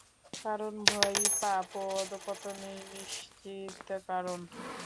কারণ ভয়ই পাপ ও অধঃপতনের নিশ্চিত কারণ।